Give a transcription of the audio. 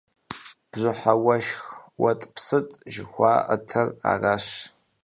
Бжьыхьэ уэшх, уэтӀпсытӀ жыхуэтӀэр аращ.